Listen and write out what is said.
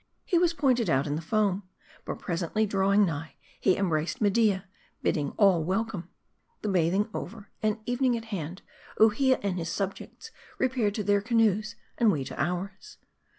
He was pointed out in the foam. But presently drawing nigh, he embraced Media, bidding all welcomes The bathing over, and evening at hand, Uhia and his subjects repaired to their canoes ; and we to ours.